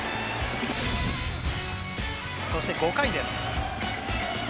そして５回です。